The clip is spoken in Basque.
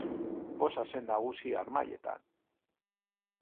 Poza zen nagusi harmailetan.